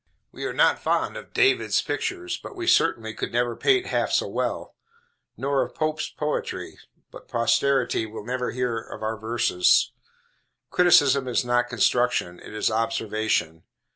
We are not fond of David's pictures, but we certainly could never paint half so well; nor of Pope's poetry, but posterity will never hear of our verses. Criticism is not construction, it is observation.